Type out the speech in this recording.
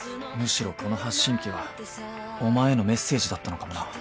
むしろこの発信機はお前へのメッセージだったのかもな。